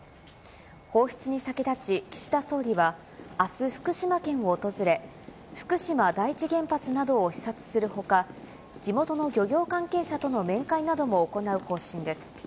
放出に先立ち、岸田総理はあす、福島県を訪れ、福島第一原発などを視察するほか、地元の漁業関係者との面会なども行う方針です。